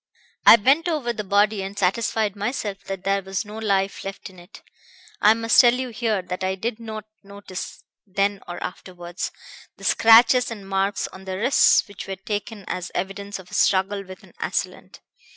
"I bent over the body and satisfied myself that there was no life left in it. I must tell you here that I did not notice, then or afterwards, the scratches and marks on the wrists which were taken as evidence of a struggle with an assailant.